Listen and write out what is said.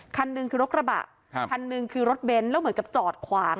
คันหนึ่งคือรถกระบะคันหนึ่งคือรถเบนท์แล้วเหมือนกับจอดขวาง